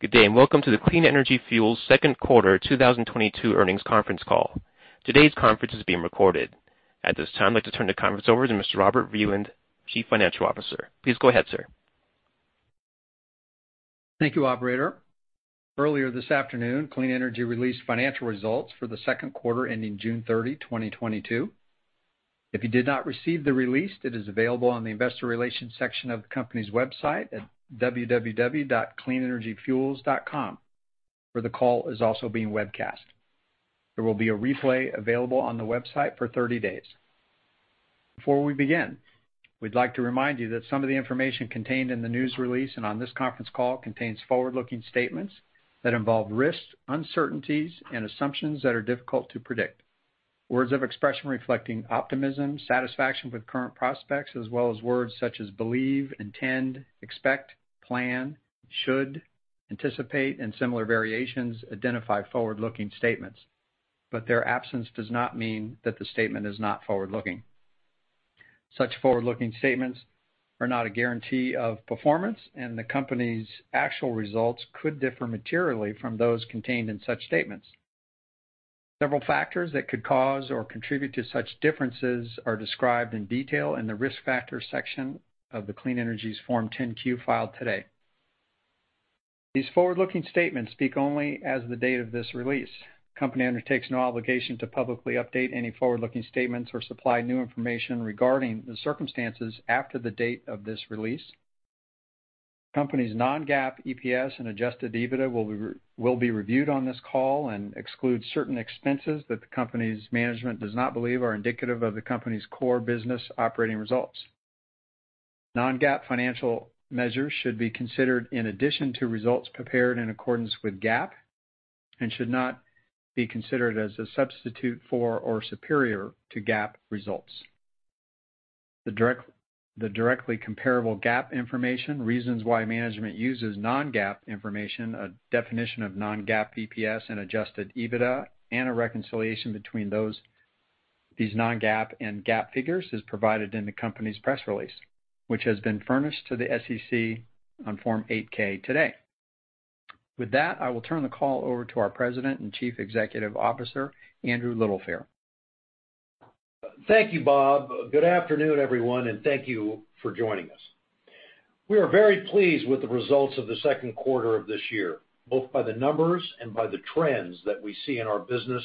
Good day, and welcome to the Clean Energy Fuels Q2 2022 earnings conference call. Today's conference is being recorded. At this time, I'd like to turn the conference over to Mr. Robert Vreeland, Chief Financial Officer. Please go ahead, sir. Thank you, operator. Earlier this afternoon, Clean Energy Fuels released financial results for the Q2 ending June 30, 2022. If you did not receive the release, it is available on the investor relations section of the company's website at www.cleanenergyfuels.com, where the call is also being webcast. There will be a replay available on the website for 30 days. Before we begin, we'd like to remind you that some of the information contained in the news release and on this conference call contains forward-looking statements that involve risks, uncertainties, and assumptions that are difficult to predict. Words or expressions reflecting optimism, satisfaction with current prospects, as well as words such as believe, intend, expect, plan, should, anticipate, and similar variations identify forward-looking statements, but their absence does not mean that the statement is not forward-looking. Such forward-looking statements are not a guarantee of performance, and the company's actual results could differ materially from those contained in such statements. Several factors that could cause or contribute to such differences are described in detail in the Risk Factors section of the Clean Energy Fuels' Form 10-Q filed today. These forward-looking statements speak only as of the date of this release. The company undertakes no obligation to publicly update any forward-looking statements or supply new information regarding the circumstances after the date of this release. Company's non-GAAP EPS and Adjusted EBITDA will be reviewed on this call and exclude certain expenses that the company's management does not believe are indicative of the company's core business operating results. Non-GAAP financial measures should be considered in addition to results prepared in accordance with GAAP and should not be considered as a substitute for or superior to GAAP results. The directly comparable GAAP information, reasons why management uses non-GAAP information, a definition of non-GAAP EPS and Adjusted EBITDA, and a reconciliation between these non-GAAP and GAAP figures is provided in the company's press release, which has been furnished to the SEC on Form 8-K today. With that, I will turn the call over to our President and Chief Executive Officer, Andrew Littlefair. Thank you, Bob. Good afternoon, everyone, and thank you for joining us. We are very pleased with the results of the Q2 of this year, both by the numbers and by the trends that we see in our business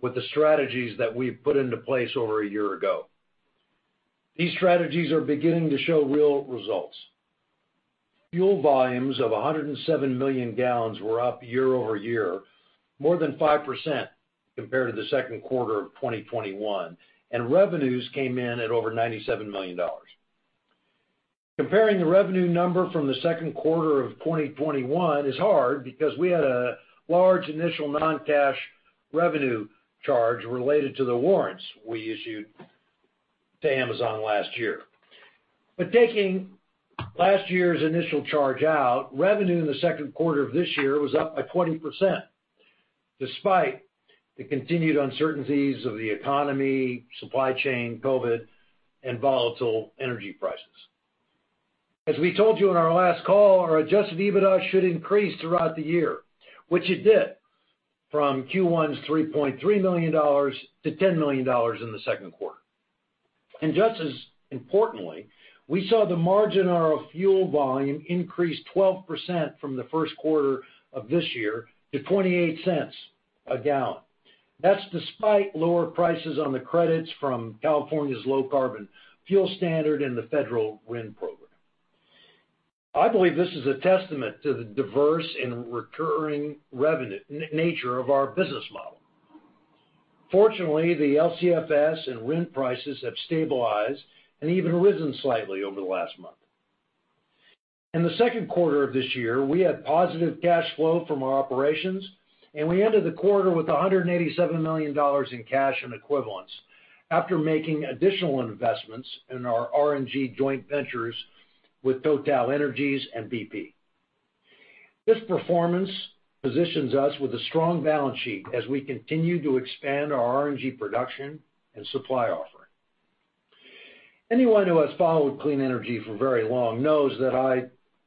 with the strategies that we've put into place over a year ago. These strategies are beginning to show real results. Fuel volumes of 107 million gal were up year-over-year, more than 5% compared to the Q2 of 2021, and revenues came in at over $97 million. Comparing the revenue number from the Q2 of 2021 is hard because we had a large initial non-cash revenue charge related to the warrants we issued to Amazon last year. Taking last year's initial charge out, revenue in the Q2 of this year was up by 20%, despite the continued uncertainties of the economy, supply chain, COVID, and volatile energy prices. As we told you in our last call, our Adjusted EBITDA should increase throughout the year, which it did, from Q1's $3.3 million-$10 million in the Q2. Just as importantly, we saw the margin on our fuel volume increase 12% from the Q1 of this year to $0.28 gal. That's despite lower prices on the credits from California's Low Carbon Fuel Standard and the federal RIN program. I believe this is a testament to the diverse and recurring nature of our business model. Fortunately, the LCFS and RIN prices have stabilized and even risen slightly over the last month. In the Q2 of this year, we had positive cash flow from our operations, and we ended the quarter with $187 million in cash and equivalents after making additional investments in our RNG joint ventures with TotalEnergies and BP. This performance positions us with a strong balance sheet as we continue to expand our RNG production and supply offering. Anyone who has followed Clean Energy for very long knows that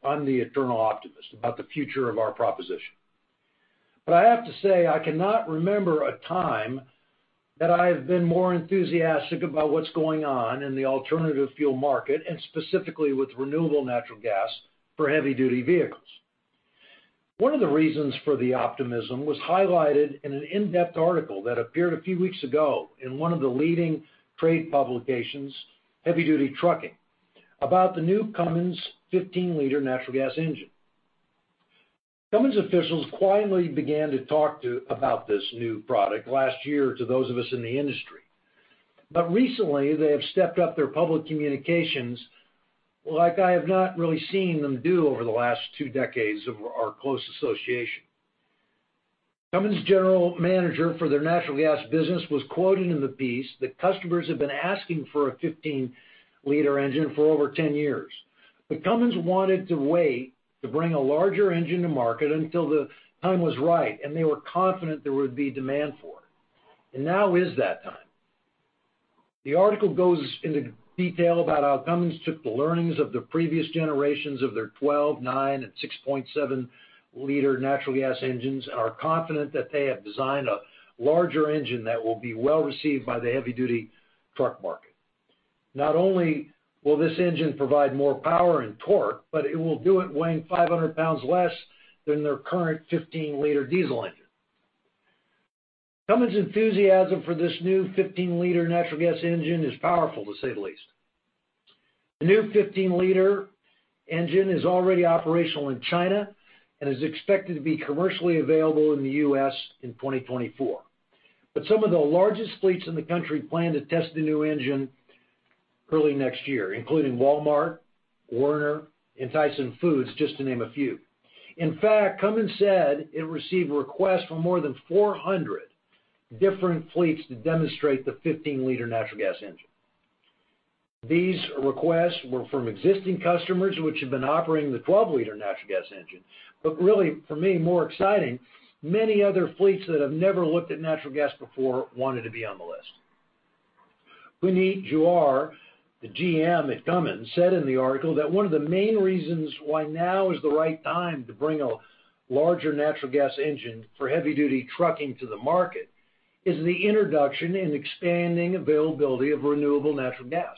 I'm the eternal optimist about the future of our proposition. I have to say, I cannot remember a time that I have been more enthusiastic about what's going on in the alternative fuel market, and specifically with renewable natural gas for heavy-duty vehicles. One of the reasons for the optimism was highlighted in an in-depth article that appeared a few weeks ago in one of the leading trade publications, Heavy Duty Trucking, about the new Cummins 15 L natural gas engine. Cummins officials quietly began to talk about this new product last year to those of us in the industry. Recently, they have stepped up their public communications like I have not really seen them do over the last two decades of our close association. Cummins' general manager for their natural gas business was quoted in the piece that customers have been asking for a 15 L engine for over 10 years, but Cummins wanted to wait to bring a larger engine to market until the time was right and they were confident there would be demand for it. Now is that time. The article goes into detail about how Cummins took the learnings of the previous generations of their 12, nine, and 6.7 L natural gas engines, and are confident that they have designed a larger engine that will be well received by the heavy duty truck market. Not only will this engine provide more power and torque, but it will do it weighing 500 lbs less than their current 15 L diesel engine. Cummins' enthusiasm for this new 15 L natural gas engine is powerful, to say the least. The new 15 L engine is already operational in China and is expected to be commercially available in the U.S. in 2024. Some of the largest fleets in the country plan to test the new engine early next year, including Walmart, Werner, and Tyson Foods, just to name a few. In fact, Cummins said it received requests from more than 400 different fleets to demonstrate the 15 L natural gas engine. These requests were from existing customers which had been operating the 12 Lnatural gas engine. Really for me, more exciting, many other fleets that have never looked at natural gas before wanted to be on the list. Puneet Jha, the General Manager at Cummins, said in the article that one of the main reasons why now is the right time to bring a larger natural gas engine for heavy-duty trucking to the market is the introduction and expanding availability of renewable natural gas.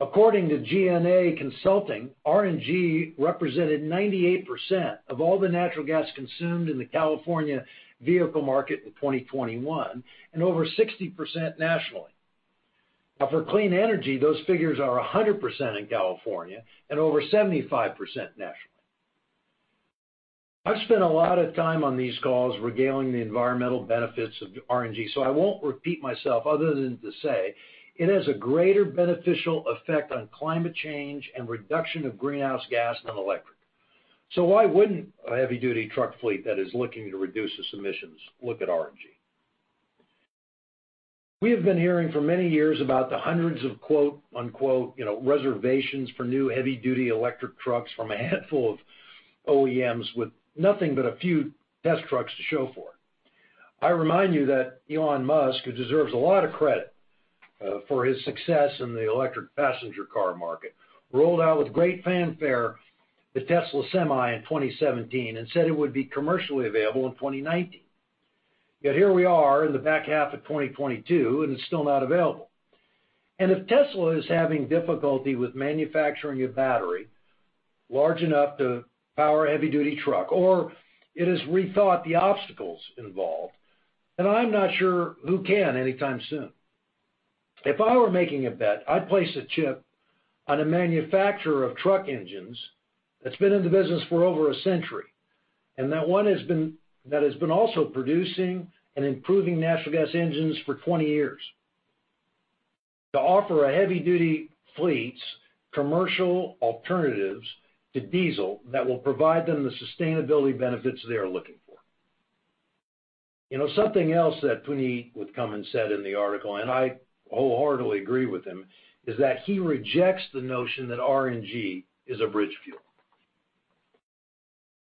According to GNA Consulting, RNG represented 98% of all the natural gas consumed in the California vehicle market in 2021, and over 60% nationally. Now for Clean Energy, those figures are 100% in California and over 75% nationally. I've spent a lot of time on these calls regaling the environmental benefits of RNG, so I won't repeat myself other than to say it has a greater beneficial effect on climate change and reduction of greenhouse gas than electric. Why wouldn't a heavy duty truck fleet that is looking to reduce its emissions look at RNG? We have been hearing for many years about the hundreds of, quote-unquote, you know, reservations for new heavy duty electric trucks from a handful of OEMs with nothing but a few test trucks to show for it. I remind you that Elon Musk, who deserves a lot of credit, for his success in the electric passenger car market, rolled out with great fanfare the Tesla Semi in 2017 and said it would be commercially available in 2019. Yet here we are in the back half of 2022, and it's still not available. If Tesla is having difficulty with manufacturing a battery large enough to power a heavy duty truck, or it has rethought the obstacles involved, then I'm not sure who can anytime soon. If I were making a bet, I'd place a chip on a manufacturer of truck engines that's been in the business for over a century, and that has been also producing and improving natural gas engines for 20 years to offer a heavy duty fleet's commercial alternatives to diesel that will provide them the sustainability benefits they are looking for. You know, something else that Puneet with Cummins said in the article, and I wholeheartedly agree with him, is that he rejects the notion that RNG is a bridge fuel.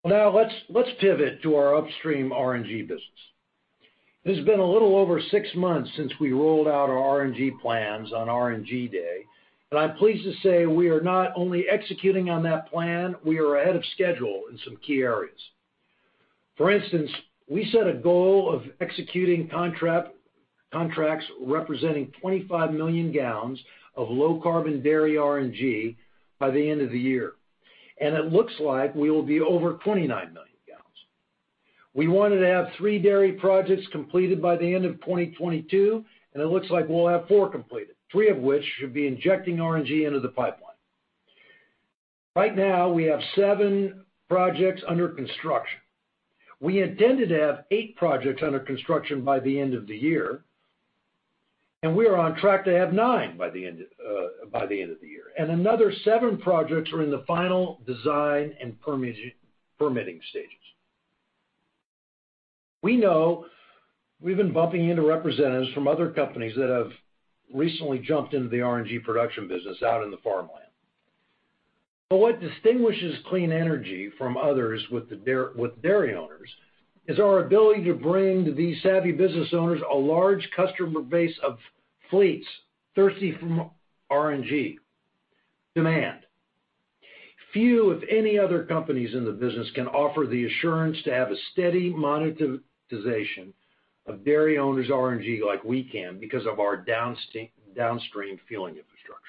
Well now let's pivot to our upstream RNG business. It has been a little over 6 months since we rolled out our RNG plans on RNG Day, and I'm pleased to say we are not only executing on that plan, we are ahead of schedule in some key areas. For instance, we set a goal of executing contracts representing 25 million gal of low carbon dairy RNG by the end of the year, and it looks like we will be over 29 million gal. We wanted to have three dairy projects completed by the end of 2022, and it looks like we'll have four completed, three of which should be injecting RNG into the pipeline. Right now, we have seven projects under construction. We intended to have eight projects under construction by the end of the year, and we are on track to have nine by the end of the year. Another seven projects are in the final design and permitting stages. We know we've been bumping into representatives from other companies that have recently jumped into the RNG production business out in the farmland. What distinguishes Clean Energy from others with dairy owners is our ability to bring these savvy business owners a large customer base of fleets thirsty for more RNG demand. Few, if any other companies in the business can offer the assurance to have a steady monetization of dairy owners' RNG like we can because of our downstream fueling infrastructure.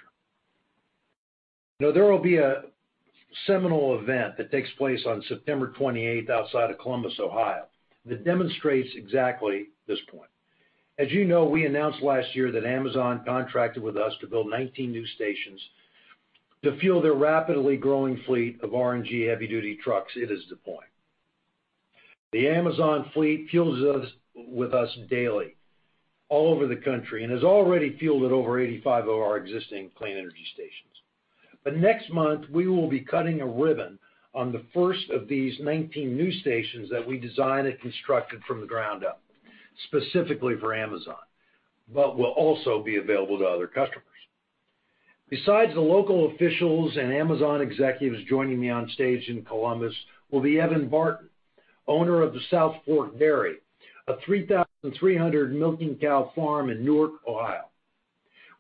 Now, there will be a seminal event that takes place on September 28 outside of Columbus, Ohio, that demonstrates exactly this point. As you know, we announced last year that Amazon contracted with us to build 19 new stations to fuel their rapidly growing fleet of RNG heavy duty trucks it is deploying. The Amazon fleet fuels with us daily all over the country and has already fueled at over 85 of our existing Clean Energy stations. Next month, we will be cutting a ribbon on the first of these 19 new stations that we designed and constructed from the ground up specifically for Amazon, but will also be available to other customers. Besides the local officials and Amazon executives joining me on stage in Columbus will be Evan Barton, Owner of the South Fork Dairy, a 3,300 milking cow farm in Newark, Ohio.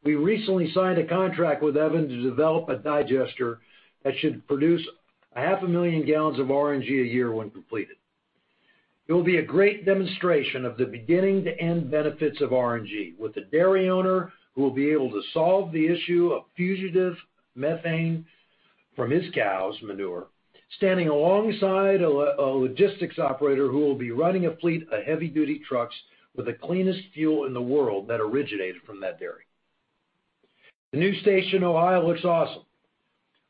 We recently signed a contract with Evan to develop a digester that should produce 500,000 gal of RNG a year when completed. It will be a great demonstration of the beginning to end benefits of RNG, with the dairy owner who will be able to solve the issue of fugitive methane from his cows' manure, standing alongside a logistics operator who will be running a fleet of heavy duty trucks with the cleanest fuel in the world that originated from that dairy. The new station in Ohio looks awesome,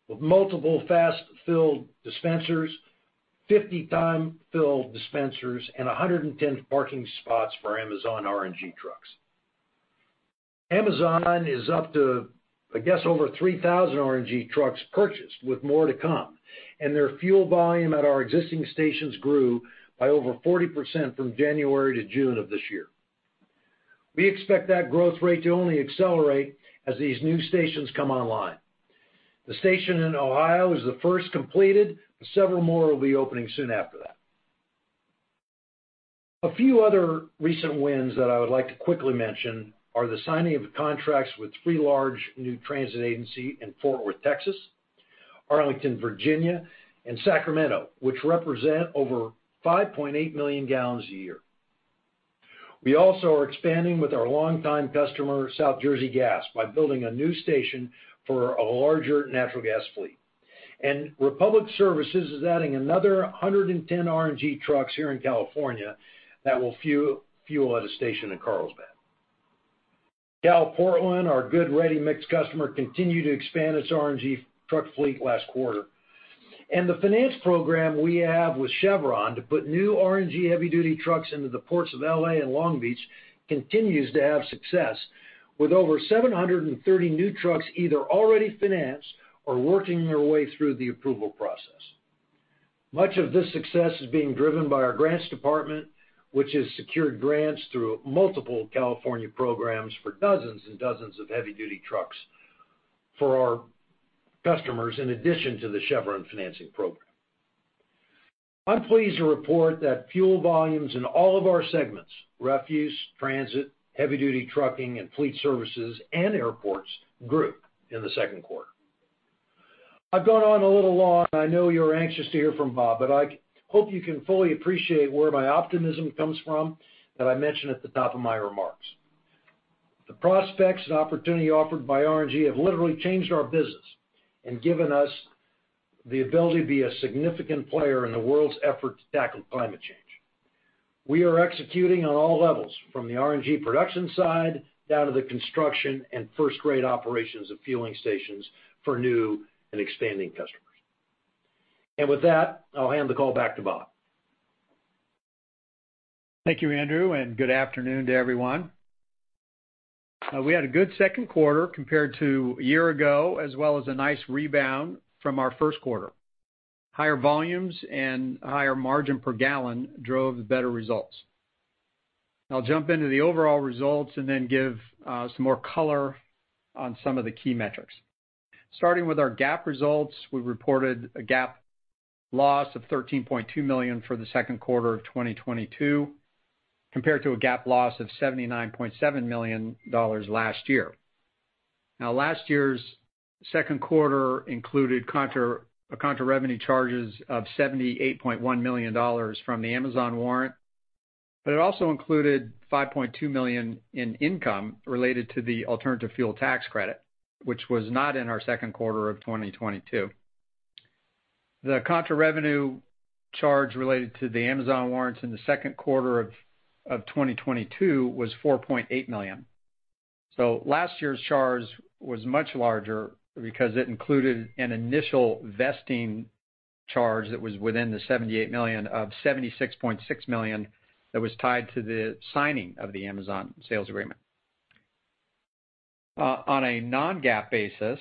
with multiple fast-fill dispensers, 50 time-fill dispensers, and 110 parking spots for Amazon RNG trucks. Amazon is up to, I guess, over 3,000 RNG trucks purchased, with more to come, and their fuel volume at our existing stations grew by over 40% from January to June of this year. We expect that growth rate to only accelerate as these new stations come online. The station in Ohio is the first completed, but several more will be opening soon after that. A few other recent wins that I would like to quickly mention are the signing of contracts with three large new transit agencies in Fort Worth, Texas, Arlington, Virginia, and Sacramento, which represent over 5.8 million gal a year. We also are expanding with our longtime customer, South Jersey Gas, by building a new station for a larger natural gas fleet. Republic Services is adding another 110 RNG trucks here in California that will fuel at a station in Carlsbad. CalPortland, our good ready mix customer, continued to expand its RNG truck fleet last quarter. The finance program we have with Chevron to put new RNG heavy-duty trucks into the ports of L.A. and Long Beach continues to have success, with over 730 new trucks either already financed or working their way through the approval process. Much of this success is being driven by our grants department, which has secured grants through multiple California programs for dozens and dozens of heavy-duty trucks for our customers, in addition to the Chevron financing program. I'm pleased to report that fuel volumes in all of our segments, refuse, transit, heavy-duty trucking, and fleet services and airports, grew in the Q2. I've gone on a little long, and I know you're anxious to hear from Bob, but I hope you can fully appreciate where my optimism comes from that I mentioned at the top of my remarks. The prospects and opportunity offered by RNG have literally changed our business and given us the ability to be a significant player in the world's effort to tackle climate change. We are executing on all levels, from the RNG production side down to the construction and first-rate operations of fueling stations for new and expanding customers. With that, I'll hand the call back to Bob. Thank you, Andrew, and good afternoon to everyone. We had a good Q2 compared to a year ago, as well as a nice rebound from our Q1. Higher volumes and higher margin per gallon drove the better results. I'll jump into the overall results and then give some more color on some of the key metrics. Starting with our GAAP results, we reported a GAAP loss of $13.2 million for the Q2 of 2022, compared to a GAAP loss of $79.7 million last year. Now, last year's Q2 included contra revenue charges of $78.1 million from the Amazon warrant, but it also included $5.2 million in income related to the Alternative Fuel Tax Credit, which was not in our Q2 of 2022. The contra revenue charge related to the Amazon warrants in the Q2 of 2022 was $4.8 million. Last year's charge was much larger because it included an initial vesting charge that was within the $78 million of $76.6 million that was tied to the signing of the Amazon sales agreement. On a non-GAAP basis,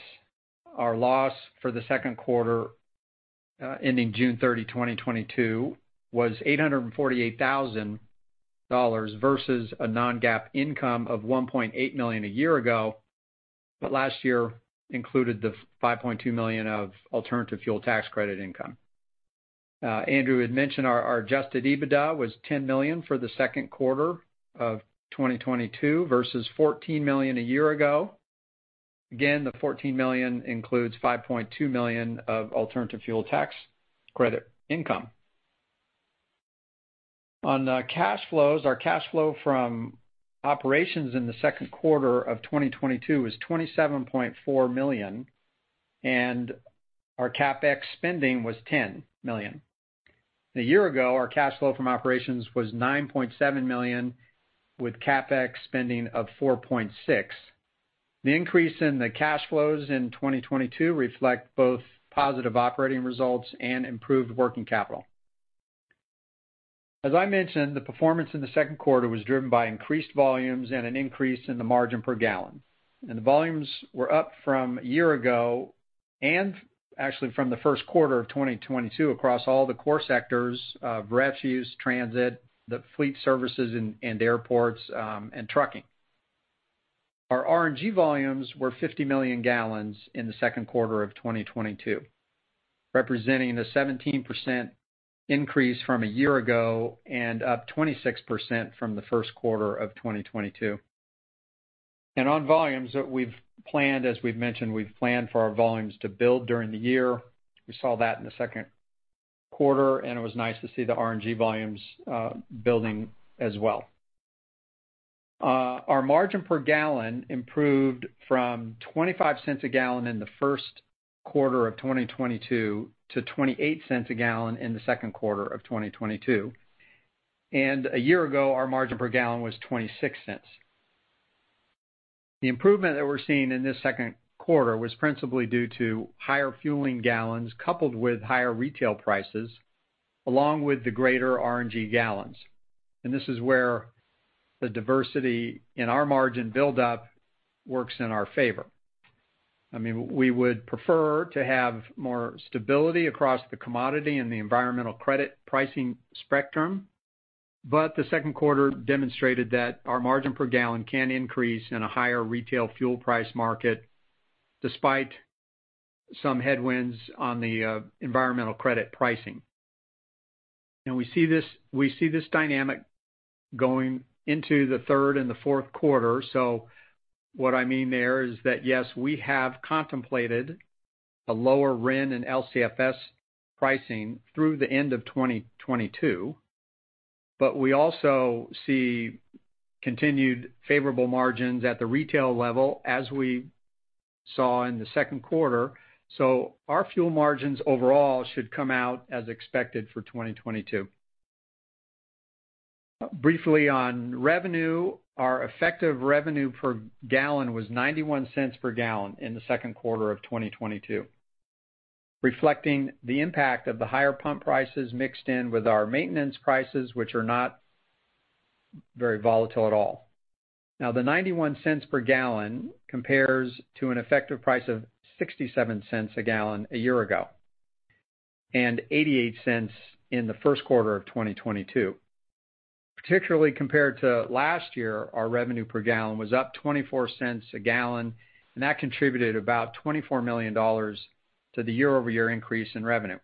our loss for the Q2 ending June 30, 2022 was $848,000 versus a non-GAAP income of $1.8 million a year ago, but last year included the $5.2 Million of Alternative Fuel Tax Credit income. Andrew had mentioned our Adjusted EBITDA was $10 million for the Q2 of 2022 versus $14 million a year ago. Again, the $14 million includes $5.2 million of Alternative Fuel Tax Credit income. On cash flows, our cash flow from operations in the Q2 of 2022 was $27.4 million, and our CapEx spending was $10 million. A year ago, our cash flow from operations was $9.7 million, with CapEx spending of $4.6 million. The increase in the cash flows in 2022 reflect both positive operating results and improved working capital. As I mentioned, the performance in the Q2 was driven by increased volumes and an increase in the margin per gallon. The volumes were up from a year ago and actually from the Q1 of 2022 across all the core sectors, refuse, transit, the fleet services and airports, and trucking. Our RNG volumes were 50 million gal in the Q2 of 2022, representing a 17% increase from a year ago and up 26% from the Q1 of 2022. On volumes that we've planned, as we've mentioned, we've planned for our volumes to build during the year. We saw that in the Q2, and it was nice to see the RNG volumes building as well. Our margin per gallon improved from $0.25 a gal in the Q1 of 2022 to $0.28 a gal in the Q2 of 2022. A year ago, our margin per gallon was $0.26. The improvement that we're seeing in this Q2 was principally due to higher fueling gallons, coupled with higher retail prices, along with the greater RNG gallons. This is where the diversity in our margin buildup works in our favor. I mean, we would prefer to have more stability across the commodity and the environmental credit pricing spectrum, but the Q2 demonstrated that our margin per gallon can increase in a higher retail fuel price market despite some headwinds on the environmental credit pricing. We see this dynamic going into the third and the Q4. What I mean there is that, yes, we have contemplated a lower RIN and LCFS pricing through the end of 2022, but we also see continued favorable margins at the retail level, as we saw in the Q2. Our fuel margins overall should come out as expected for 2022. Briefly on revenue, our effective revenue per gallon was $0.91 per gal in the Q2 of 2022, reflecting the impact of the higher pump prices mixed in with our maintenance prices, which are not very volatile at all. Now, the $0.91 per gal compares to an effective price of $0.67 a gal a year ago, and $0.88 in the Q1 of 2022. Particularly compared to last year, our revenue per gallon was up $0.24 a gal, and that contributed about $24 million to the year-over-year increase in revenue.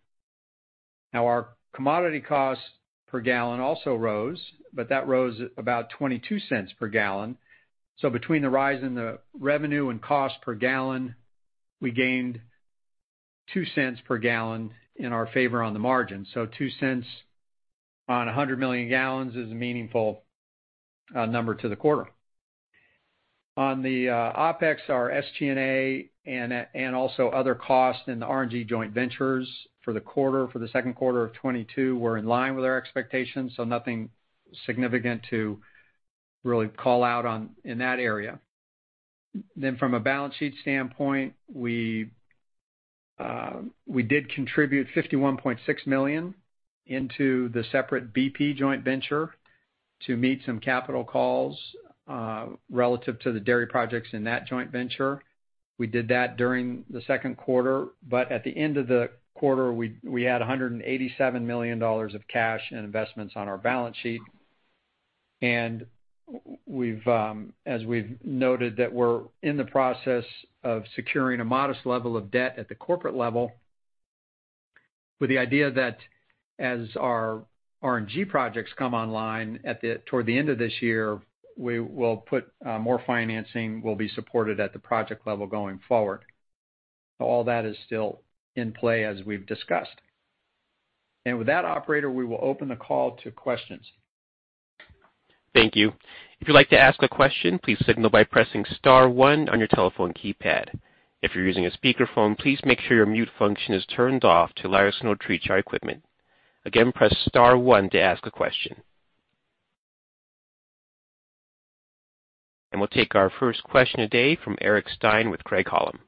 Now, our commodity cost per gallon also rose, but that rose about $0.22 per gal. Between the rise in the revenue and cost per gallon, we gained $0.02 per gallon in our favor on the margin. $0.02 on 100 million gal is a meaningful number to the quarter. On the OpEx, our SG&A and also other costs in the RNG joint ventures for the quarter, for the Q2 of 2022 were in line with our expectations, so nothing significant to really call out on in that area. From a balance sheet standpoint, we did contribute $51.6 million into the separate BP joint venture to meet some capital calls relative to the dairy projects in that joint venture. We did that during the Q2, but at the end of the quarter, we had $187 million of cash and investments on our balance sheet. We've, as we've noted that we're in the process of securing a modest level of debt at the corporate level with the idea that as our RNG projects come online toward the end of this year, we will put more financing will be supported at the project level going forward. All that is still in play as we've discussed. With that, operator, we will open the call to questions. Thank you. If you'd like to ask a question, please signal by pressing star one on your telephone keypad. If you're using a speakerphone, please make sure your mute function is turned off to allow us to know to reach our equipment. Again, press star one to ask a question. We'll take our first question today from Eric Stine with Craig-Hallum.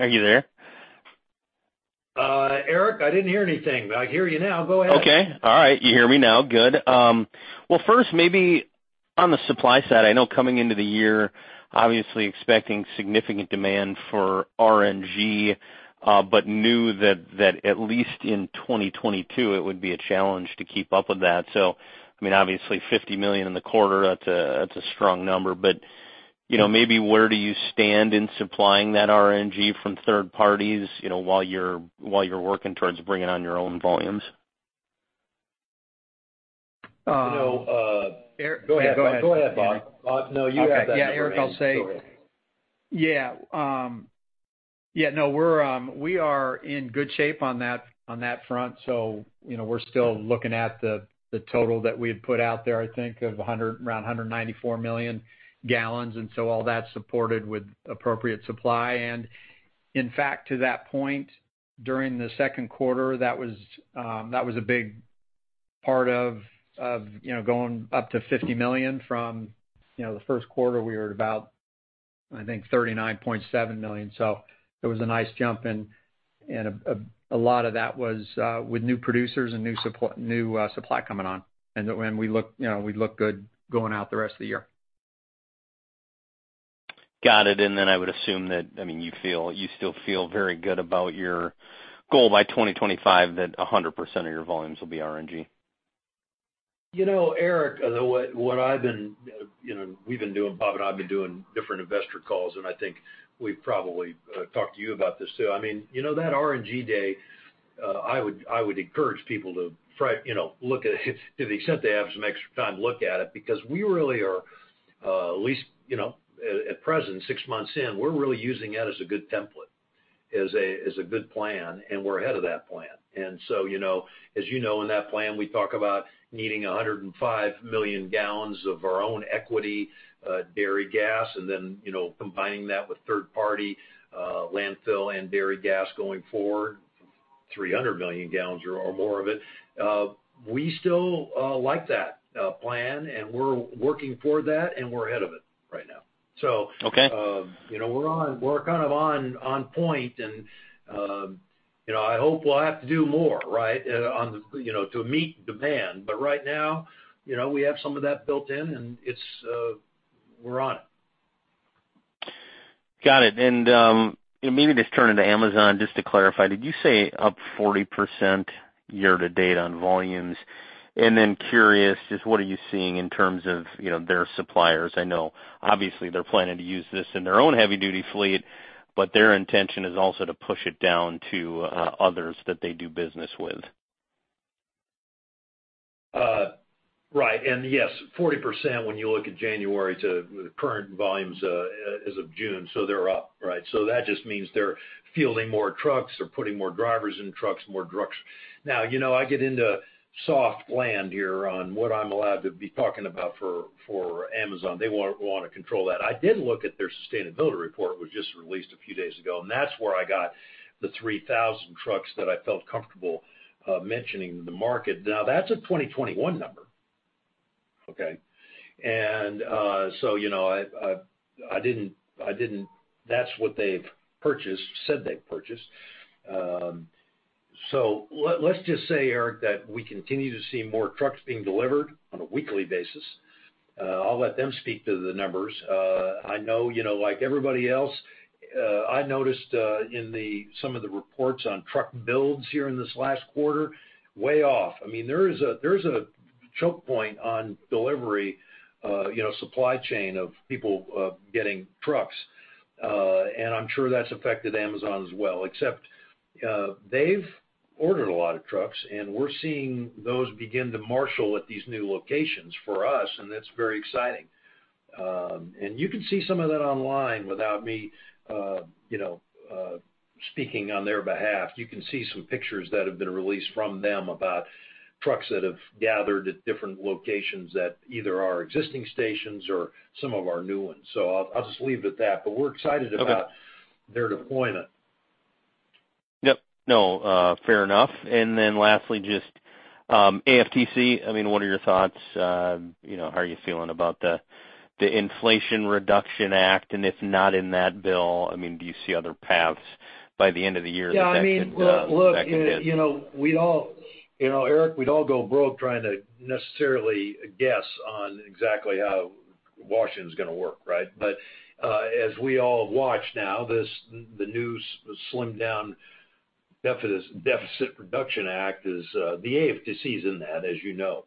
Are you there? Eric, I didn't hear anything. I hear you now. Go ahead. Okay. All right. You hear me now. Good. Well, first maybe on the supply side, I know coming into the year obviously expecting significant demand for RNG, but knew that at least in 2022 it would be a challenge to keep up with that. So, I mean, obviously 50 million in the quarter, that's a strong number, but, you know, maybe where do you stand in supplying that RNG from third parties, you know, while you're working towards bringing on your own volumes? Uh- You know. Er- Go ahead. Go ahead, Bob. Bob, no, you have that RNG story. Eric Stine, I'll say, yeah, no. We are in good shape on that front. You know, we're still looking at the total that we had put out there, I think, around 194 million gal, and so all that's supported with appropriate supply. In fact, to that point, during the Q2, that was a big part of, you know, going up to $50 million from, you know, the Q1, we were about I think $39.7 million. It was a nice jump, and a lot of that was with new producers and new supply coming on. When we look, you know, we look good going out the rest of the year. Got it. I would assume that, I mean, you feel, you still feel very good about your goal by 2025 that 100% of your volumes will be RNG. You know, Eric, what I've been, you know, we've been doing, Bob and I've been doing different investor calls, and I think we've probably talked to you about this too. I mean, you know, that RNG Day, I would encourage people to try, you know, look at it to the extent they have some extra time, look at it because we really are, at least, you know, at present, six months in, we're really using that as a good template, as a good plan, and we're ahead of that plan. You know, as you know, in that plan, we talk about needing 105 million gal of our own equity dairy gas, and then, you know, combining that with third-party landfill and dairy gas going forward, 300 million gal or more of it. We still like that plan, and we're working for that, and we're ahead of it right now. Okay. You know, we're kind of on point and, you know, I hope we'll have to do more, right, on the, you know, to meet demand. Right now, you know, we have some of that built in, and it's, we're on it. Got it. Maybe just turning to Amazon, just to clarify, did you say up 40% year to date on volumes? Then curious, just what are you seeing in terms of, you know, their suppliers? I know obviously they're planning to use this in their own heavy duty fleet, but their intention is also to push it down to, others that they do business with. Yes, 40% when you look at January to the current volumes as of June, so they're up, right? That just means they're fielding more trucks. They're putting more drivers in trucks, more trucks. Now, you know, I gotta soft-land here on what I'm allowed to be talking about for Amazon. They want to control that. I did look at their sustainability report, which just released a few days ago, and that's where I got the 3,000 trucks that I felt comfortable mentioning to the market. Now, that's a 2021 number. Okay? You know, that's what they said they've purchased. Let's just say, Eric, that we continue to see more trucks being delivered on a weekly basis. I'll let them speak to the numbers. I know, you know, like everybody else, I noticed in some of the reports on truck builds here in this last quarter, way off. I mean, there is a choke point on delivery, you know, supply chain of people getting trucks. I'm sure that's affected Amazon as well, except they've ordered a lot of trucks, and we're seeing those begin to marshal at these new locations for us, and that's very exciting. You can see some of that online without me, you know, speaking on their behalf. You can see some pictures that have been released from them about trucks that have gathered at different locations that either are existing stations or some of our new ones. I'll just leave it at that, but we're excited about. Okay. their deployment. Yep. No, fair enough. Then lastly, just AFTC, I mean, what are your thoughts? You know, how are you feeling about the Inflation Reduction Act? If not in that bill, I mean, do you see other paths by the end of the year that could. Yeah. I mean, well, look, you know, we'd all, you know, Eric, we'd all go broke trying to necessarily guess on exactly how Washington's gonna work, right? As we all watch now, this, the new slimmed down deficit, Inflation Reduction Act is, the AFTC is in that, as you know.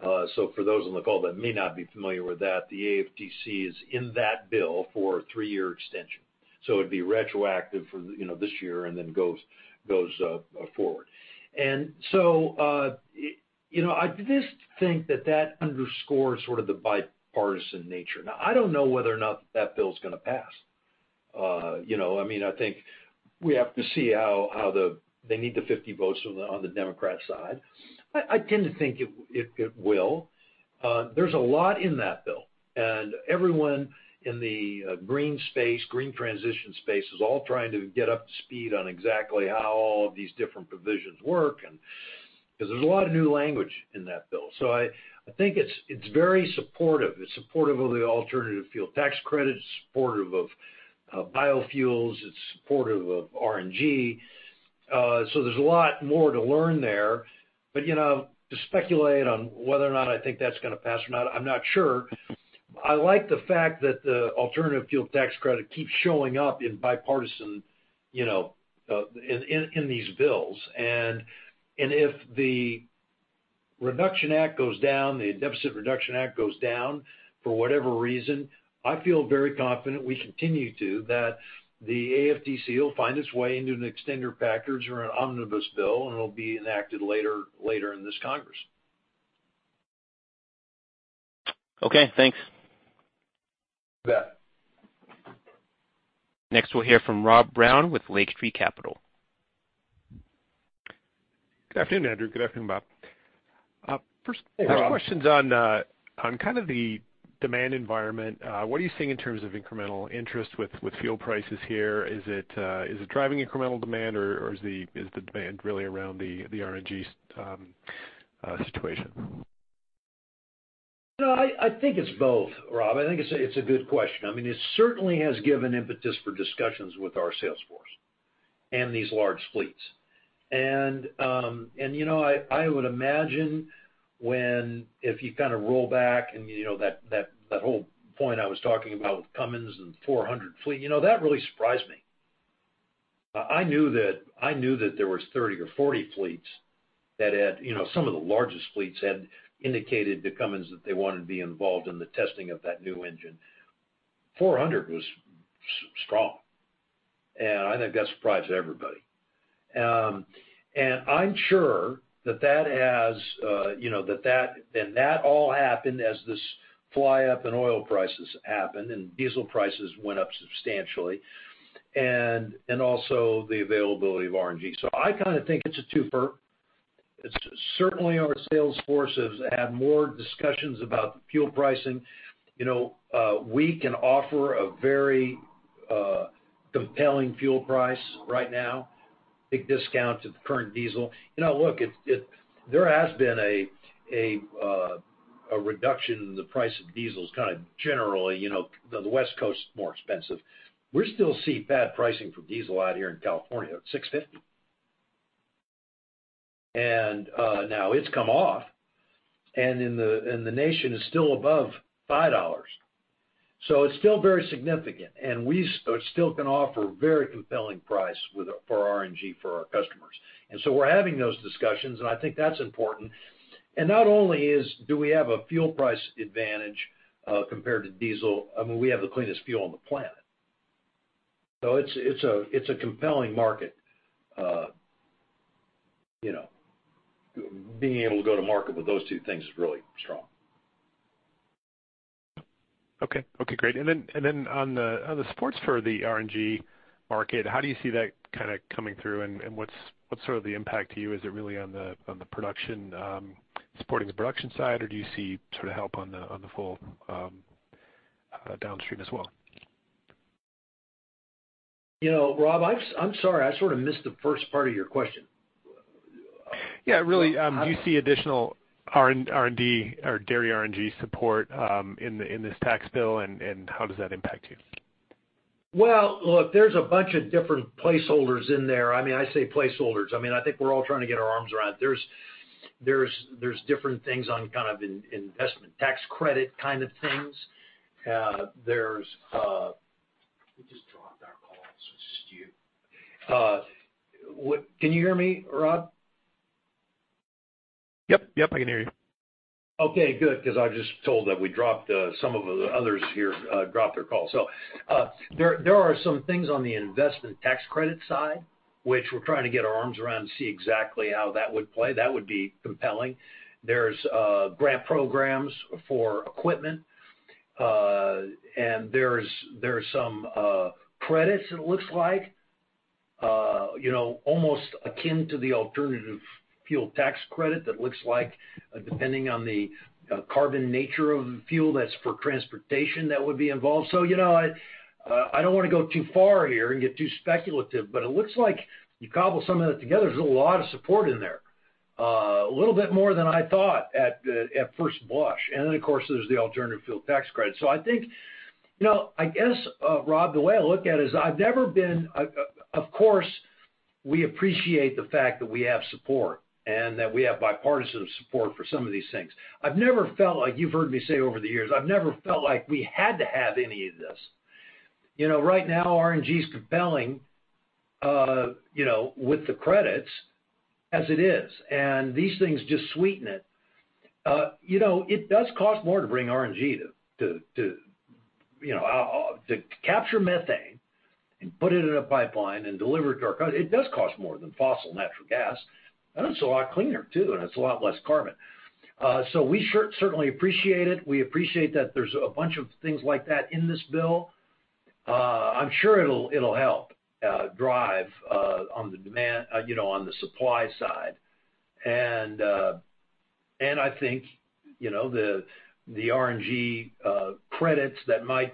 For those on the call that may not be familiar with that, the AFTC is in that bill for a three-year extension. It'd be retroactive for, you know, this year and then goes forward. You know, I just think that that underscores sort of the bipartisan nature. Now, I don't know whether or not that bill's gonna pass. You know, I mean, I think we have to see how they need the 50 votes on the Democrat side. I tend to think it will. There's a lot in that bill, and everyone in the green space, green transition space is all trying to get up to speed on exactly how all of these different provisions work and because there's a lot of new language in that bill. I think it's very supportive. It's supportive of the Alternative Fuel Tax Credit. It's supportive of biofuels. It's supportive of RNG. There's a lot more to learn there. You know, to speculate on whether or not I think that's gonna pass or not, I'm not sure. I like the fact that the Alternative Fuel Tax Credit keeps showing up in bipartisan, you know, in these bills. If the Reduction Act goes down, the Inflation Reduction Act goes down for whatever reason, I feel very confident we continue that the AFTC will find its way into an extender package or an omnibus bill, and it'll be enacted later in this Congress. Okay, thanks. You bet. Next, we'll hear from Rob Brown with Lake Street Capital Markets. Good afternoon, Andrew. Good afternoon, Bob. Hey, Rob. A couple of questions on kind of the demand environment. What are you seeing in terms of incremental interest with fuel prices here? Is it driving incremental demand, or is the demand really around the RNG's situation? No, I think it's both, Rob. I think it's a good question. I mean, it certainly has given impetus for discussions with our sales force and these large fleets. You know, I would imagine if you kind of roll back and, you know, that whole point I was talking about with Cummins and 400 fleet, you know, that really surprised me. I knew that there was 30 or 40 fleets that had, you know, some of the largest fleets had indicated to Cummins that they wanted to be involved in the testing of that new engine. 400 was strong, and I think that surprised everybody. I'm sure that has, you know, that all happened as this fly up in oil prices happened, and diesel prices went up substantially, and also the availability of RNG. I kind of think it's a twofer. It's certainly our sales force has had more discussions about the fuel pricing. You know, we can offer a very compelling fuel price right now, big discount to the current diesel. You know, look, there has been a reduction in the price of diesel kind of generally, you know, the West Coast is more expensive. We still see bad pricing for diesel out here in California at $6.50. Now it's come off, and the nation is still above $5. It's still very significant. We still can offer very compelling price for RNG for our customers. We're having those discussions, and I think that's important. Not only do we have a fuel price advantage compared to diesel, I mean, we have the cleanest fuel on the planet. It's a compelling market, you know. Being able to go to market with those two things is really strong. Okay. Okay, great. On the supports for the RNG market, how do you see that kinda coming through, and what's sort of the impact to you? Is it really on the production, supporting the production side, or do you see sort of help on the fuel downstream as well? You know, Rob, I'm sorry, I sort of missed the first part of your question. Yeah. Really, do you see additional R&D or dairy RNG support in this tax bill, and how does that impact you? Well, look, there's a bunch of different placeholders in there. I mean, I say placeholders. I mean, I think we're all trying to get our arms around. There's different things on kind of Investment Tax Credit kind of things. We just dropped our call, so it's just you. Can you hear me, Rob? Yep. Yep, I can hear you. Okay, good, 'cause I was just told that we dropped some of the others here dropped their call. There are some things on the Investment Tax Credit side, which we're trying to get our arms around and see exactly how that would play. That would be compelling. There's grant programs for equipment. And there's some credits, it looks like, you know, almost akin to the Alternative Fuel Tax Credit that looks like, depending on the carbon nature of the fuel that's for transportation that would be involved. You know, I don't wanna go too far here and get too speculative, but it looks like you cobble some of that together, there's a lot of support in there. A little bit more than I thought at first blush. Of course, there's the Alternative Fuel Tax Credit. I think you know, I guess, Rob, the way I look at it is, of course, we appreciate the fact that we have support and that we have bipartisan support for some of these things. I've never felt like you've heard me say over the years, I've never felt like we had to have any of this. You know, right now, RNG is compelling, you know, with the credits as it is, and these things just sweeten it. You know, it does cost more to bring RNG to, you know, to capture methane and put it in a pipeline and deliver it. It does cost more than fossil natural gas, and it's a lot cleaner, too, and it's a lot less carbon. We certainly appreciate it. We appreciate that there's a bunch of things like that in this bill. I'm sure it'll help drive demand on the supply side, you know. I think, you know, the RNG credits that might,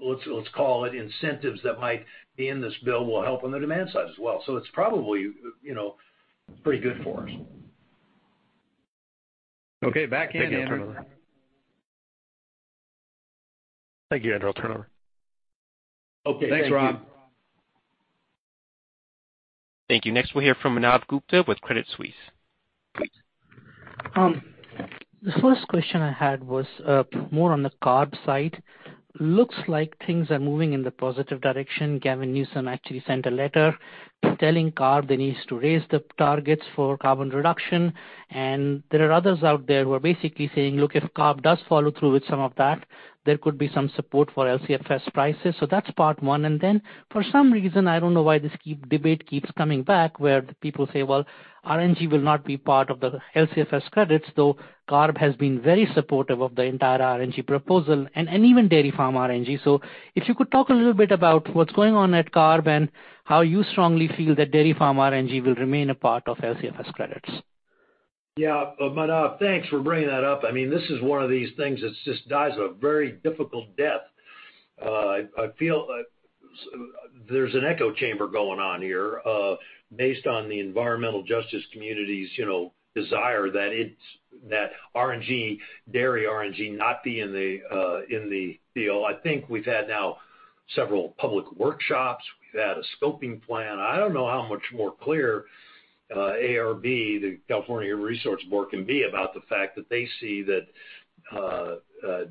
let's call it, incentives that might be in this bill will help on the demand side as well. It's probably, you know, pretty good for us. Okay. Backhand turnover. Thank you, Andrew. I'll turn it over. Okay. Thanks, Rob. Thank you. Next, we'll hear from Manav Gupta with Credit Suisse. The first question I had was more on the CARB side. Looks like things are moving in the positive direction. Gavin Newsom actually sent a letter telling CARB they need to raise the targets for carbon reduction, and there are others out there who are basically saying, "Look, if CARB does follow through with some of that, there could be some support for LCFS prices." That's part one. For some reason, I don't know why this debate keeps coming back where people say, "Well, RNG will not be part of the LCFS credits," though CARB has been very supportive of the entire RNG proposal and even dairy farm RNG. If you could talk a little bit about what's going on at CARB and how you strongly feel that dairy farm RNG will remain a part of LCFS credits. Yeah. Manav, thanks for bringing that up. I mean, this is one of these things that just dies a very difficult death. I feel, there's an echo chamber going on here, based on the environmental justice community's, you know, desire that RNG, dairy RNG not be in the deal. I think we've had now several public workshops. We've had a scoping plan. I don't know how much more clear, ARB, the California Air Resources Board, can be about the fact that they see that,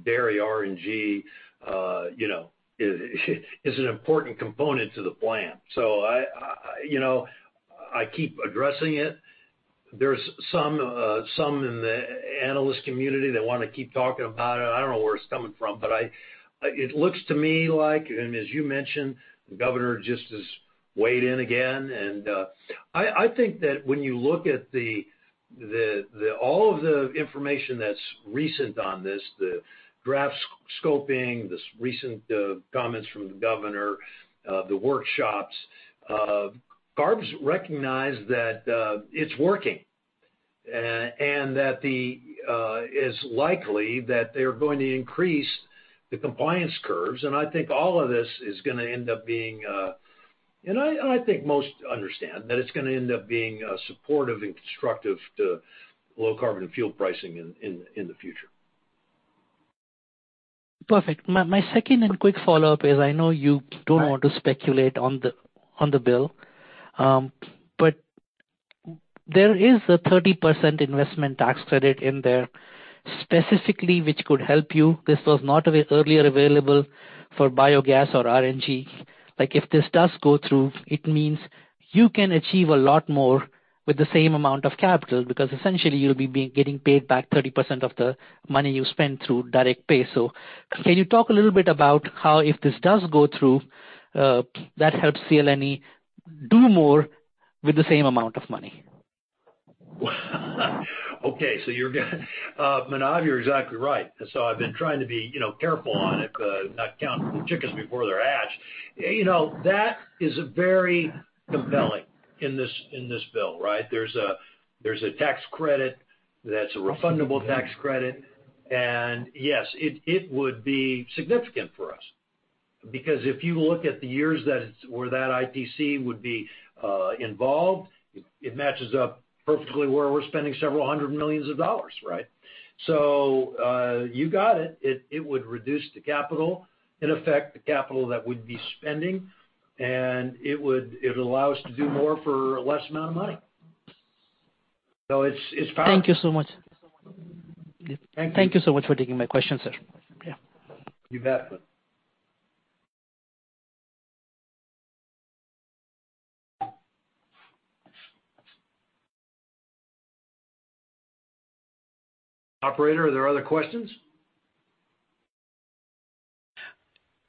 dairy RNG, you know, is an important component to the plan. I, you know, I keep addressing it. There's some in the analyst community that wanna keep talking about it. I don't know where it's coming from, but I. It looks to me like, and as you mentioned, the governor just has weighed in again. I think that when you look at all of the information that's recent on this, the draft scoping, this recent comments from the governor, the workshops, ARB's recognized that it's working and that it's likely that they're going to increase the compliance curves. I think all of this is gonna end up being supportive and constructive to low carbon fuel pricing in the future. Perfect. My second and quick follow-up is, I know you- Right. I don't want to speculate on the bill. But there is a 30% Investment Tax Credit in there specifically which could help you. This was not earlier available for biogas or RNG. Like, if this does go through, it means you can achieve a lot more with the same amount of capital because essentially you'll be getting paid back 30% of the money you spend through direct pay. Can you talk a little bit about how, if this does go through, that helps CLNE do more with the same amount of money? Manav, you're exactly right. I've been trying to be, you know, careful on it, not counting the chickens before they're hatched. You know, that is a very compelling in this bill, right? There's a tax credit that's a refundable tax credit, and yes, it would be significant for us because if you look at the years where that ITC would be involved, it matches up perfectly where we're spending several hundred million of dollars, right? You got it. It would reduce the capital, in effect, the capital that we'd be spending, and it would allow us to do more for less amount of money. It's powerful. Thank you so much. Thank you. Thank you so much for taking my question, sir. Yeah. You bet, bud. Operator, are there other questions?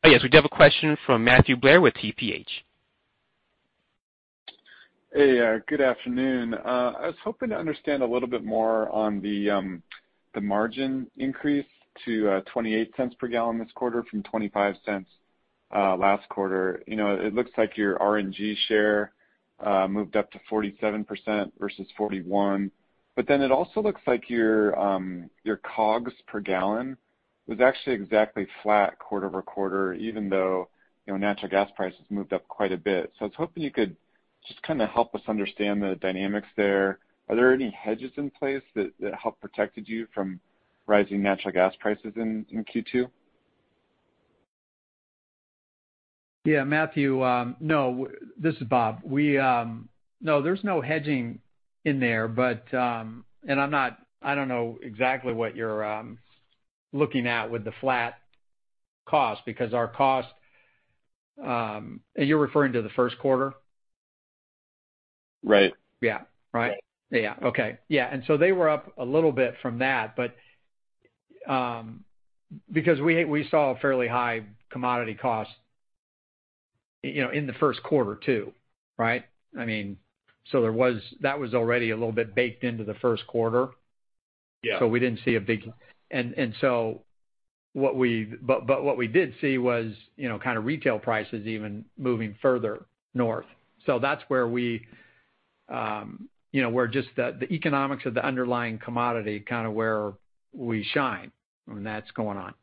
Yes, we do have a question from Matthew Blair with TPH&Co. Hey, good afternoon. I was hoping to understand a little bit more on the margin increase to $0.28 per gal this quarter from $0.25 last quarter. You know, it looks like your RNG share moved up to 47% versus 41%. It also looks like your COGS per gallon was actually exactly flat quarter over quarter, even though, you know, natural gas prices moved up quite a bit. I was hoping you could just kinda help us understand the dynamics there. Are there any hedges in place that helped protect you from rising natural gas prices in Q2? Yeah, Matthew. No. This is Bob. No, there's no hedging in there. I don't know exactly what you're looking at with the flat cost because our cost. Are you referring to the Q1? Right. Yeah. Right? Right. Yeah. Okay. Yeah, they were up a little bit from that, but, because we saw a fairly high commodity cost, you know, in the Q1 too, right? I mean, that was already a little bit baked into the Q1. Yeah. We didn't see a big. What we did see was, you know, kinda retail prices even moving further north. That's where we, you know, where just the economics of the underlying commodity kinda where we shine when that's going on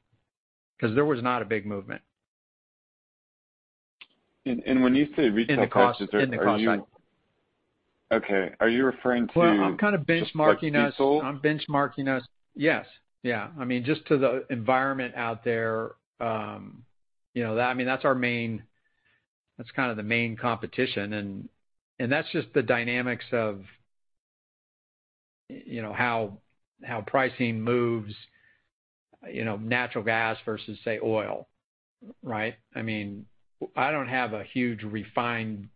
'cause there was not a big movement. when you say retail prices? In the cost, yeah. Are you okay? Are you referring to Well, I'm kinda benchmarking us. Just like diesel? I'm benchmarking us. Yes. Yeah. I mean, just to the environment out there, you know, I mean, that's our main. That's kinda the main competition and that's just the dynamics of, you know, how pricing moves, you know, natural gas versus, say, oil, right? I mean, I don't have a huge refined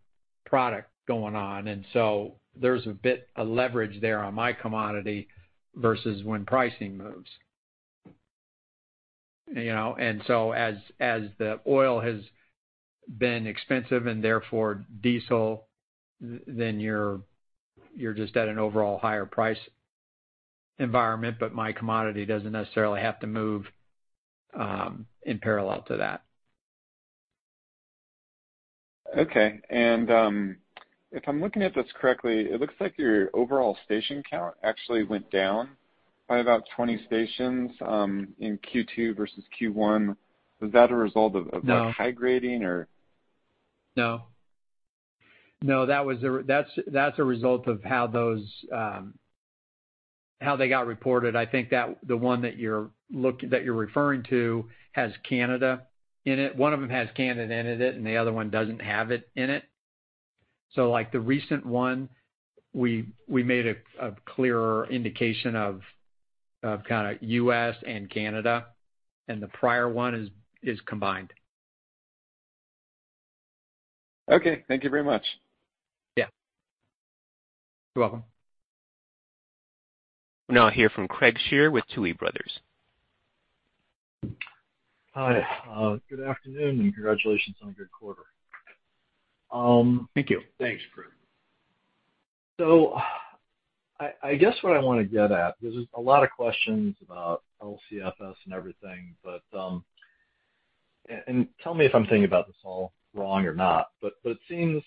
product going on, and so there's a bit, a leverage there on my commodity versus when pricing moves. You know? As the oil has been expensive and therefore diesel, then you're just at an overall higher price environment, but my commodity doesn't necessarily have to move in parallel to that. If I'm looking at this correctly, it looks like your overall station count actually went down by about 20 stations in Q2 versus Q1. Was that a result of- No of, like, high grading or? No, that's a result of how those, how they got reported. I think that the one that you're referring to has Canada in it. One of them has Canada in it, and the other one doesn't have it in it. Like, the recent one, we made a clearer indication of kinda US and Canada, and the prior one is combined. Okay. Thank you very much. Yeah. You're welcome. We'll now hear from Craig Shere with Tuohy Brothers. Hi, good afternoon, and congratulations on a good quarter. Thank you. Thanks, Craig. I guess what I wanna get at, because there's a lot of questions about LCFS and everything, but and tell me if I'm thinking about this all wrong or not, but it seems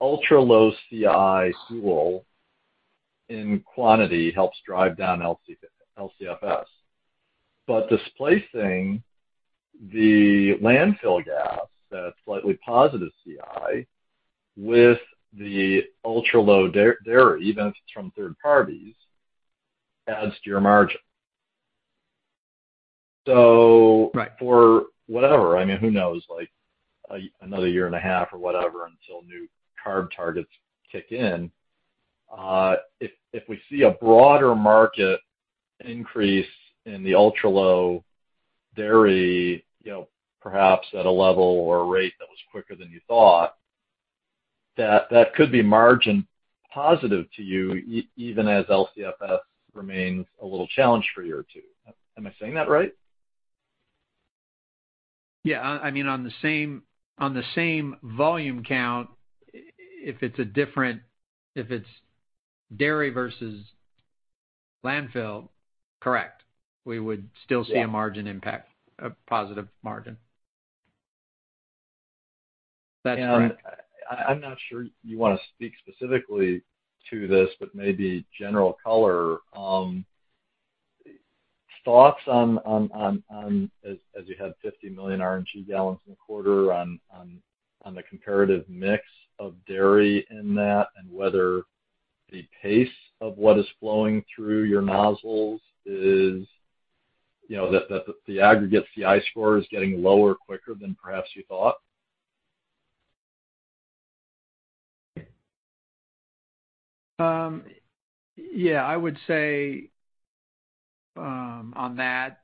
ultra-low CI fuel in quantity helps drive down LCFS. Displacing the landfill gas that's slightly positive CI with the ultra-low dairy, even if it's from third parties, adds to your margin. Right... for whatever, I mean, who knows, like, another year and a half or whatever until new CARB targets kick in, if we see a broader market increase in the ultra-low dairy, you know, perhaps at a level or a rate that was quicker than you thought, that could be margin positive to you even as LCFS remains a little challenged for you too. Am I saying that right? Yeah. I mean, on the same volume count, if it's dairy versus landfill, correct. We would still- Yeah See a margin impact, a positive margin. That's correct. I'm not sure you wanna speak specifically to this, but maybe general color. Thoughts on as you had 50 million RNG gal in the quarter on the comparative mix of dairy in that and whether the pace of what is flowing through your nozzles is, you know, that the aggregate CI score is getting lower quicker than perhaps you thought? Yeah. I would say, on that,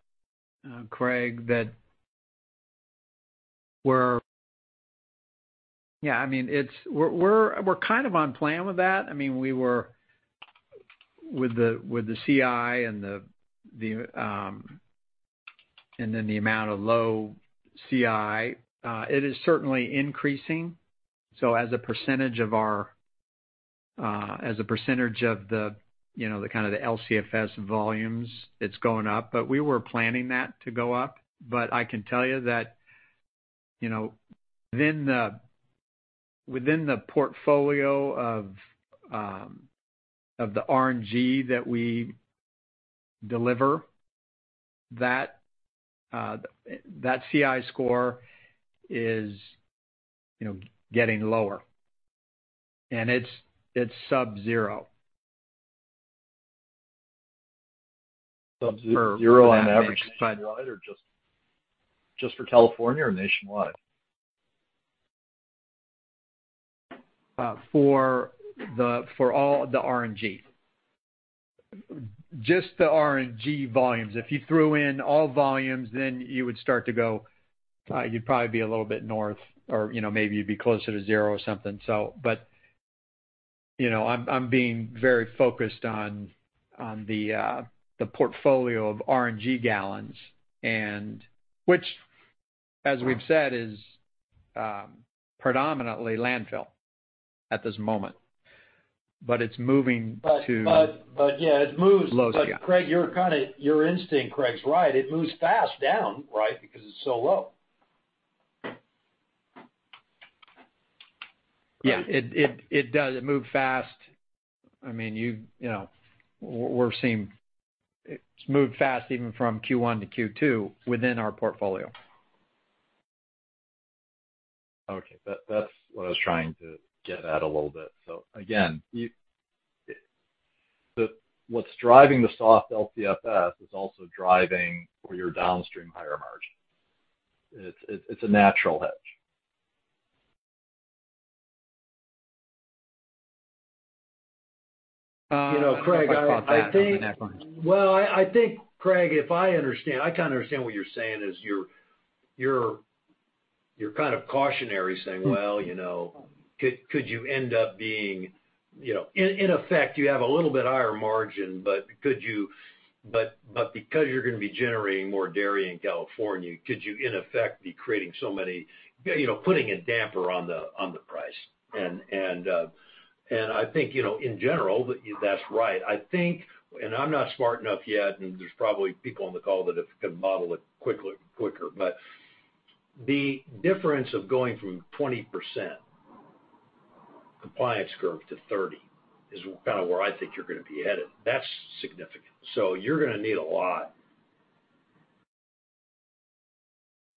Craig, that we're kind of on plan with that. I mean, it's we're kind of on plan with that. I mean, we were with the CI and then the amount of low CI, it is certainly increasing. As a percentage of our, as a percentage of the, you know, the kind of the LCFS volumes, it's going up. We were planning that to go up. I can tell you that, you know, within the portfolio of the RNG that we deliver, that CI score is, you know, getting lower, and it's sub zero. sub-zero on average nationwide or just for California or nationwide? For all of the RNG. Just the RNG volumes. If you threw in all volumes, then you would start to go, you'd probably be a little bit north or, you know, maybe you'd be closer to zero or something. You know, I'm being very focused on the portfolio of RNG gallons and which, as we've said, is predominantly landfill at this moment. It's moving to low CI. Craig, your instinct, Craig, is right. It moves fast down, right? Because it's so low. Yeah. It does. It moved fast. I mean, you know, we're seeing it's moved fast even from Q1 to Q2 within our portfolio. Okay. That's what I was trying to get at a little bit. Again, what's driving the soft LCFS is also driving for your downstream higher margin. It's a natural hedge. You know, Craig, I think. I caught that on the neckline. Well, I think, Craig, if I understand, I kinda understand what you're saying is you're kind of cautionary saying, well, you know, could you end up being, you know. In effect, you have a little bit higher margin, but because you're gonna be generating more dairy in California, could you, in effect, be creating so many, you know, putting a damper on the, on the. I think, you know, in general that's right. I think, and I'm not smart enough yet, and there's probably people on the call that can model it quicker. But the difference of going from 20% compliance curve to 30% is kind of where I think you're gonna be headed. That's significant. So you're gonna need a lot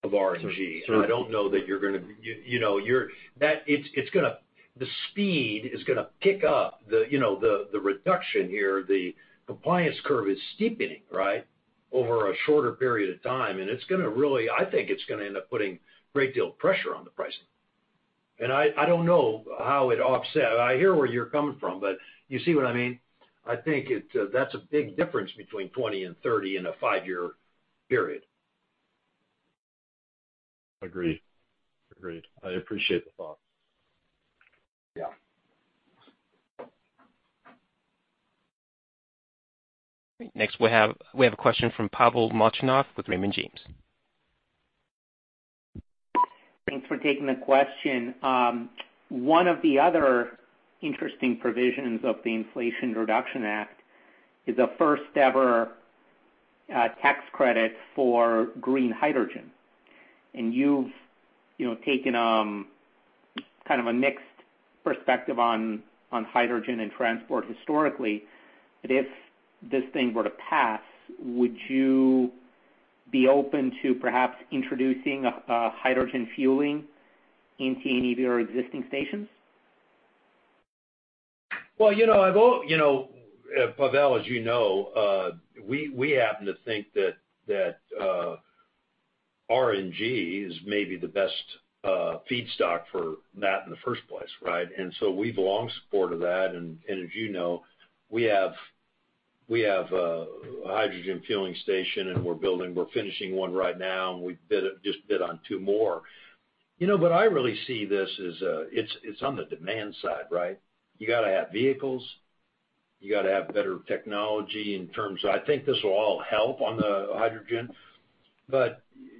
of RNG. I don't know that you're gonna. You know, it's gonna. The speed is gonna pick up, you know, the reduction here. The compliance curve is steepening, right, over a shorter period of time, and it's gonna really. I think it's gonna end up putting a great deal of pressure on the pricing. I don't know how it offsets. I hear where you're coming from, but you see what I mean? I think that's a big difference between 20 and 30 in a 5-year period. Agreed. I appreciate the thought. Yeah. Next, we have a question from Pavel Molchanov with Raymond James. Thanks for taking the question. One of the other interesting provisions of the Inflation Reduction Act is a first-ever tax credit for green hydrogen. You've, you know, taken kind of a mixed perspective on hydrogen and transport historically. If this thing were to pass, would you be open to perhaps introducing a hydrogen fueling into any of your existing stations? You know, Pavel, as you know, we happen to think that RNG is maybe the best feedstock for that in the first place, right? We've long supported that. As you know, we have a hydrogen fueling station, and we're finishing one right now, and we just bid on two more. You know, but I really see this as. It's on the demand side, right? You gotta have vehicles. You gotta have better technology in terms of. I think this will all help on the hydrogen.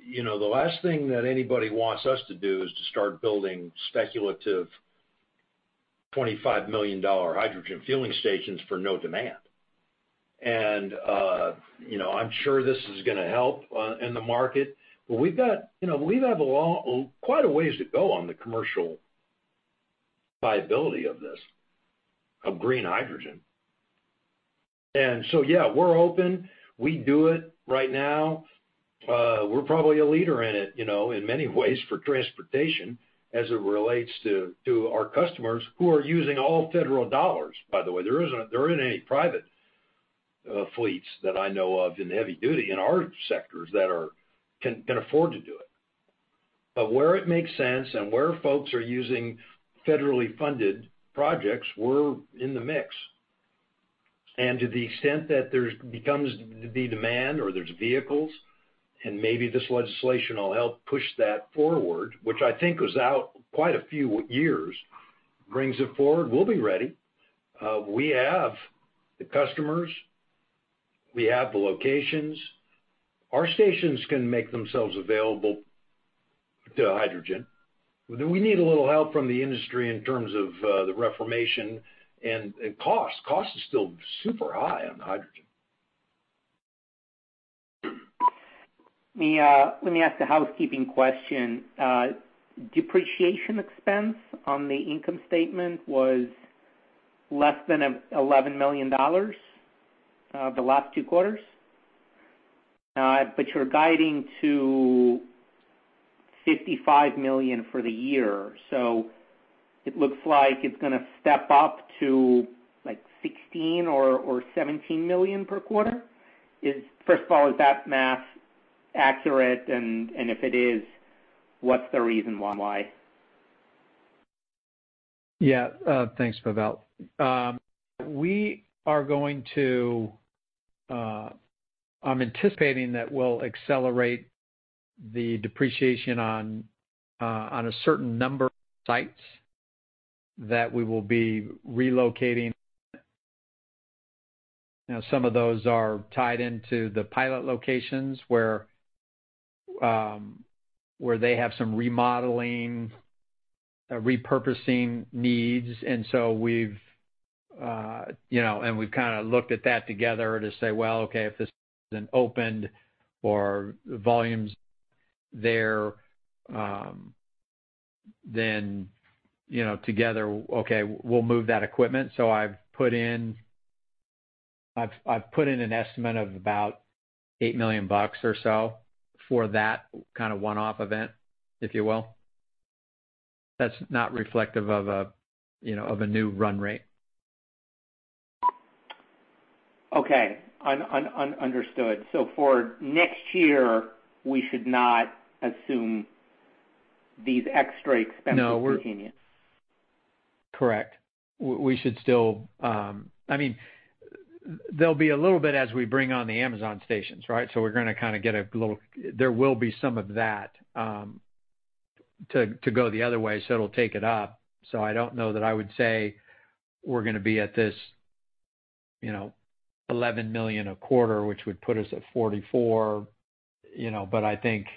You know, the last thing that anybody wants us to do is to start building speculative $25 million hydrogen fueling stations for no demand. You know, I'm sure this is gonna help in the market, but we've got, you know, quite a ways to go on the commercial viability of this, of green hydrogen. Yeah, we're open. We do it right now. We're probably a leader in it, you know, in many ways for transportation as it relates to our customers who are using all federal dollars, by the way. There isn't any private fleets that I know of in heavy duty in our sectors that can afford to do it. But where it makes sense and where folks are using federally funded projects, we're in the mix. To the extent that there's the demand or there's vehicles, and maybe this legislation will help push that forward, which I think goes out quite a few years, brings it forward, we'll be ready. We have the customers. We have the locations. Our stations can make themselves available to hydrogen. But we need a little help from the industry in terms of the reforming and cost. Cost is still super high on hydrogen. Let me ask a housekeeping question. Depreciation expense on the income statement was less than $11 million the last two quarters. You're guiding to $55 million for the year. It looks like it's gonna step up to, like, $16 million or $17 million per quarter. First of all, is that math accurate? If it is, what's the reason why? Yeah. Thanks, Pavel. I'm anticipating that we'll accelerate the depreciation on a certain number of sites that we will be relocating. You know, some of those are tied into the pilot locations where they have some remodeling, repurposing needs. We've kinda looked at that together to say, "Well, okay, if this isn't opened or volumes there, then, you know, together, okay, we'll move that equipment." I've put in an estimate of about $8 million or so for that kind of one-off event, if you will. That's not reflective of a, you know, of a new run rate. Okay. Understood. For next year, we should not assume these extra expenses. No. -continuing. Correct. We should still, I mean, there'll be a little bit as we bring on the Amazon stations, right? There will be some of that to go the other way, so it'll take it up. I don't know that I would say we're gonna be at this You know, $11 million a quarter, which would put us at $44 million, you know. I think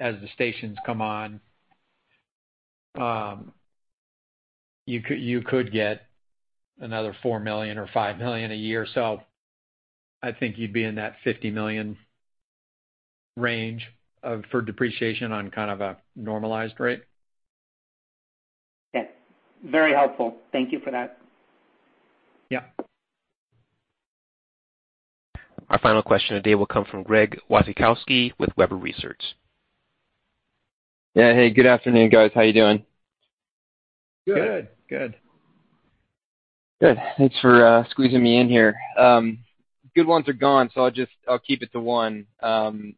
as the stations come on, you could get another $4 million or $5 million a year. I think you'd be in that $50 million range for depreciation on kind of a normalized rate. Okay. Very helpful. Thank you for that. Yeah. Our final question today will come from Greg Wasikowski with Webber Research. Yeah. Hey, good afternoon, guys. How are you doing? Good. Good. Good. Thanks for squeezing me in here. Good ones are gone, so I'll just, I'll keep it to one. On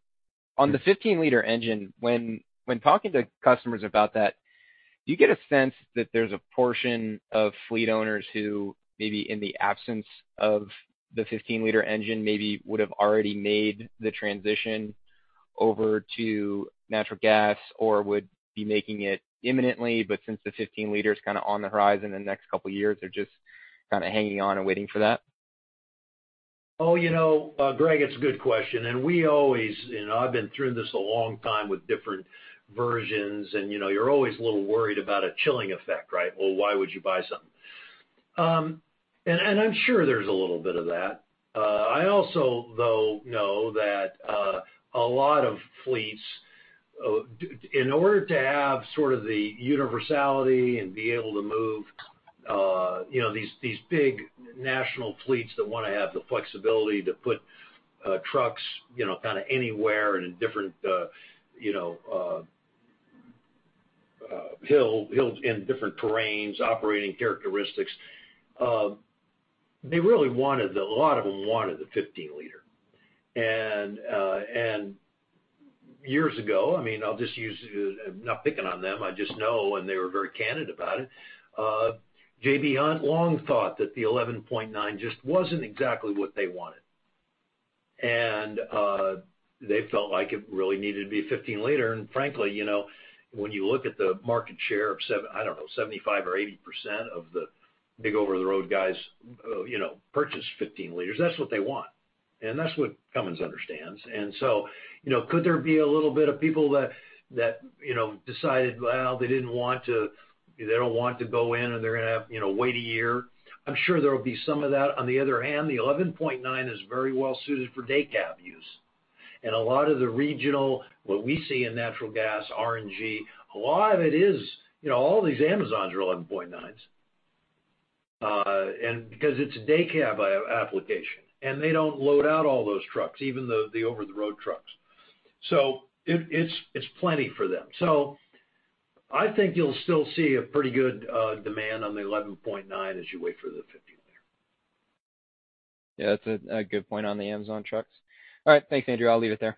the 15 L engine, when talking to customers about that, do you get a sense that there's a portion of fleet owners who maybe in the absence of the 15 L engine maybe would have already made the transition over to natural gas or would be making it imminently, but since the 15 L is kinda on the horizon in the next couple of years, they're just kinda hanging on and waiting for that? Oh, you know, Greg, it's a good question. I've been through this a long time with different versions, and you know, you're always a little worried about a chilling effect, right? Well, why would you buy something? I'm sure there's a little bit of that. I also, though, know that a lot of fleets in order to have sort of the universality and be able to move, you know, these big national fleets that wanna have the flexibility to put trucks, you know, kinda anywhere and in different, you know, hills and different terrains, operating characteristics. A lot of them wanted the 15 L. Years ago, I mean, I'll just use it, I'm not picking on them, I just know, and they were very candid about it. J.B. Hunt long thought that the 11.9 just wasn't exactly what they wanted. They felt like it really needed to be a 15 L. Frankly, you know, when you look at the market share of 75% or 80% of the big over-the-road guys, you know, purchase 15 L, that's what they want, and that's what Cummins understands. You know, could there be a little bit of people that, you know, decided, well, they don't want to go in or they're gonna have, you know, wait a year? I'm sure there will be some of that. On the other hand, the 11.9 is very well suited for day cab use. A lot of the regional, what we see in natural gas, RNG, a lot of it is, you know, all these Amazons are 11.9s, and because it's a day cab application, and they don't load out all those trucks, even the over-the-road trucks. It's plenty for them. I think you'll still see a pretty good demand on the 11.9 as you wait for the 15 L. Yeah, that's a good point on the Amazon trucks. All right. Thanks, Andrew. I'll leave it there.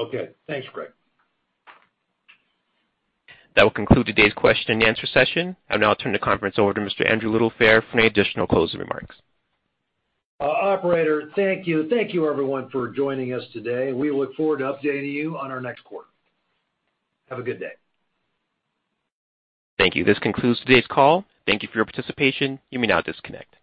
Okay. Thanks, Greg. That will conclude today's question and answer session. I'll now turn the conference over to Mr. Andrew Littlefair for any additional closing remarks. Operator, thank you. Thank you, everyone, for joining us today, and we look forward to updating you on our next quarter. Have a good day. Thank you. This concludes today's call. Thank you for your participation. You may now disconnect.